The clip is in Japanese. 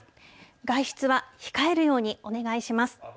外出は控えるようにお願いします。